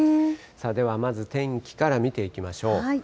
ではまず天気から見ていきましょう。